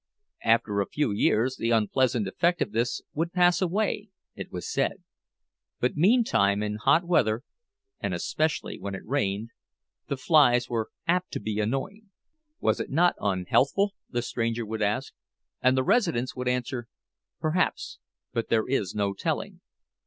After a few years the unpleasant effect of this would pass away, it was said; but meantime, in hot weather—and especially when it rained—the flies were apt to be annoying. Was it not unhealthful? the stranger would ask, and the residents would answer, "Perhaps; but there is no telling."